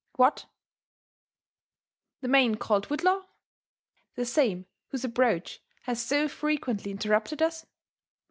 " What, the man called Whitlaw? The same whose approach has so frequently interrupted us